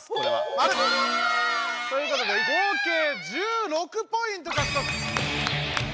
マル！ということで合計１６ポイントかくとく！